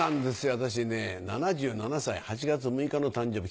私ね７７歳８月６日の誕生日